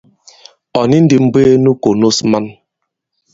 Ɔ̀ ni ndī m̀bwɛɛ nu kònos man.